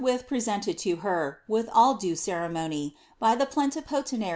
iresented to her with ail due ceremony by the plenipolenliarie.